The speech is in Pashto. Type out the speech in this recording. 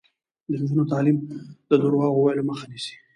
د نجونو تعلیم د درواغو ویلو مخه نیسي.